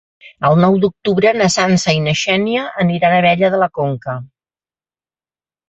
El nou d'octubre na Sança i na Xènia aniran a Abella de la Conca.